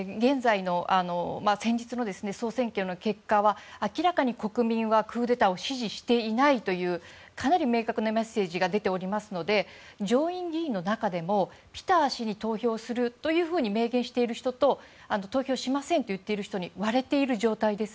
先日の総選挙の結果は明らかに国民はクーデターを支持していないというかなり明確なメッセージが出ておりますので上院議員の中でもピタ氏に投票すると明言している人と投票しませんと言っている人に割れている状態です。